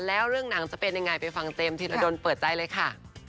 แล้วเรื่องหนังจะเป็นอย่างไรไปฟังเจมส์ที่เราโดนเปิดใจเลยค่ะ